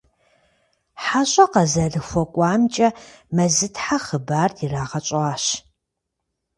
ХьэщӀэ къазэрыхуэкӀуамкӀэ Мэзытхьэ хъыбар ирагъэщӀащ.